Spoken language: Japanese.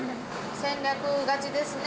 戦略勝ちですね。